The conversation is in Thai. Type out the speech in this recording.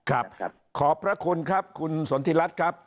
ขอบพระคุณครับคุณสนทิรัฐครับ